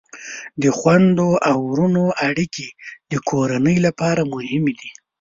د خویندو او ورونو اړیکې د کورنۍ لپاره مهمې دي.